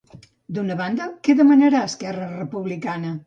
D'una banda, què demanarà Esquerra Republicana?